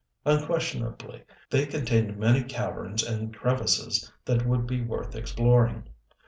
Unquestionably they contained many caverns and crevices that would be worth exploring.